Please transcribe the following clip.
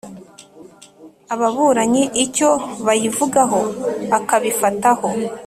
Ababuranyi icyo bayivugaho akabifataho